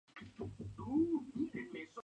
Trabaja junto a Jay en un estudio de arquitectura.